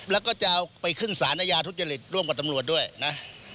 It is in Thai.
แล้วก็จะเอาไปเครื่องศาลนายาทุกเจริตร่วมกับตำรวจด้วยนะ